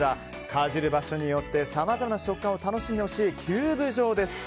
かじる場所によってさまざまな食感を楽しんでほしいキューブ状です。